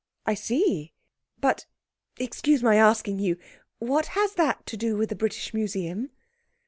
'I see. But excuse my asking you, what has that to do with the British Museum?'